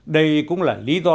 đây cũng là lý do